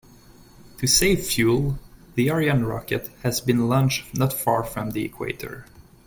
To save fuel, the Ariane rocket has been launched not far from the equator.